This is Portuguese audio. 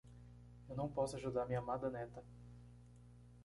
Eu não posso ajudar minha amada neta.